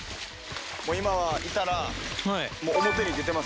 今はいたら表に出てますよ。